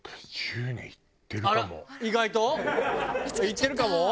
いってるかも？